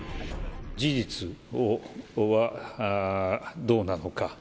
事実はどうなのか。